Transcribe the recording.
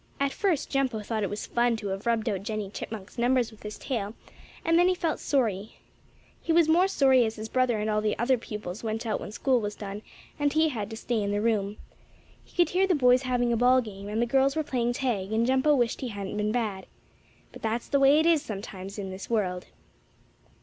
At first Jumpo thought it was fun to have rubbed out Jennie Chipmunk's numbers with his tail, and then he felt sorry. He was more sorry as his brother and all the other pupils went out when school was done, and he had to stay in the room. He could hear the boys having a ball game, and the girls were playing tag, and Jumpo wished he hadn't been bad. But that's the way it is sometimes in this world.